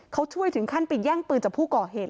เขาช่วยถึงขั้นไปแย่งปืนจากผู้ก่อเหตุ